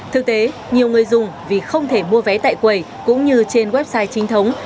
thực tế nhiều người dùng vì không thể mua vé tại quầy cũng như trên website chính thống